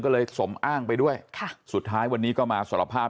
ก็เลยสมอ้างไปด้วยค่ะสุดท้ายวันนี้ก็มาสารภาพ